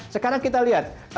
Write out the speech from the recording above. sekarang kita lihat